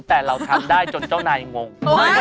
แต่เราทำได้จนเจ้านายงง